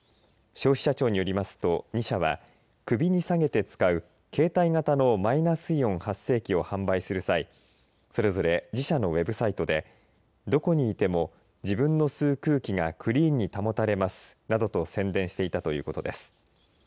消費者庁によりますと２社は首にさげて使う携帯型のマイナスイオン発生器を販売する際それぞれ自社のウエブサイトでどこにいても自分の吸う空気がクリーンに保たれますなどと宣伝していたということです。